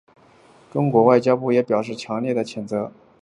中国外交部也表示强烈谴责此次袭击事件。